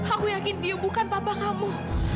aku yakin dia bukan bapak kamu